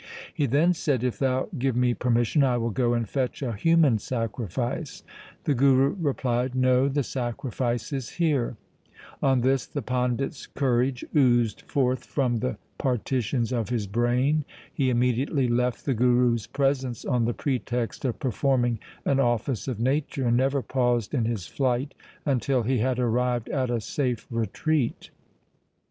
He then said, ' If thou give me permission, I will go and fetch a human sacri fice. The Guru replied, ' No ; the sacrifice is here.' On this the pandit's courage oozed forth from the LIFE OF GURU GOBIND SINGH 65 partitions of his brain. He immediately left the Guru's presence on the pretext of performing an office of nature, and never paused in his flight until he had arrived at a safe retreat.